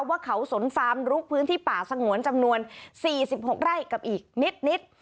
ว่าเขาสนฟาร์มลุกพื้นที่ป่าสงวนจำนวน๔๖ไร่กับอีกนิด